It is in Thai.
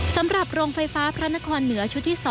สำหรับโรงไฟฟ้าพระนครเหนือชุดที่๒